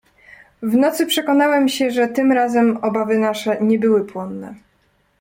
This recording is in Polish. "W nocy przekonałem się, że obawy nasze, tym razem, nie były płonne."